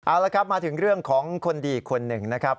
เอาละครับมาถึงเรื่องของคนดีคนหนึ่งนะครับ